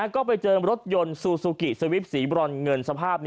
ก็ไปเจอรถยนต์ซูซูกิสวิปสีบรอนเงินสภาพ